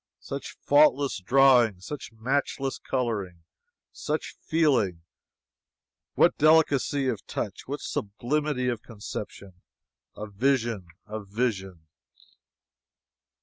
"Such faultless drawing!" "Such matchless coloring!" "Such feeling!" "What delicacy of touch!" "What sublimity of conception!" "A vision! A vision!"